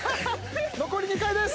残り２回です。